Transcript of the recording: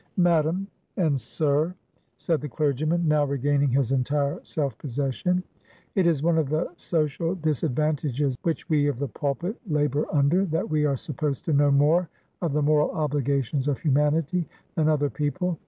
"Madam and sir" said the clergyman, now regaining his entire self possession. "It is one of the social disadvantages which we of the pulpit labor under, that we are supposed to know more of the moral obligations of humanity than other people.